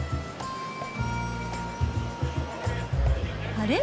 あれ？